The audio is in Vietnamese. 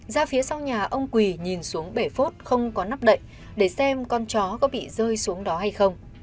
ra phía sau nhà ông quỳ nhìn xuống bể phốt không có nắp đậy để xem con chó có bị rơi xuống đó hay không